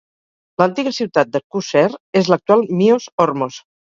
L'antiga ciutat de Qusair és l'actual Myos Hormos.